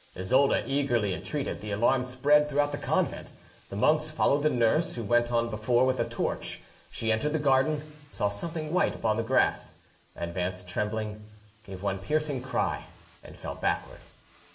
Isolda eagerly, entreated: the alarm spread through the convent; the monks followed the nurse, who went on before with a torch. She entered the garden, saw something white upon the grass, advanced trembling, gave one piercing cry, and fell backward.